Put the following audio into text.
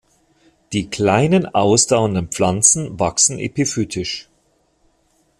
Die kleinen, ausdauernden Pflanzen wachsen epiphytisch.